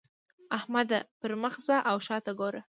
احمده! پر مخ ځه او شا ته ګوره.